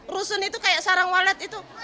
rusun itu kayak sarang walet itu